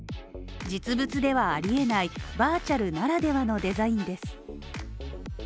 実物ではありえないバーチャルならではのデザインです。